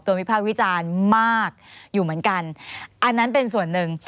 วิภาควิจารณ์มากอยู่เหมือนกันอันนั้นเป็นส่วนหนึ่ง